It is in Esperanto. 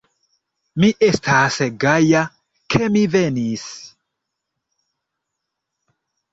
Mi estas gaja ke mi venis.